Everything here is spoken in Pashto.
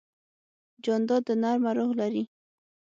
جانداد د نرمه روح لري.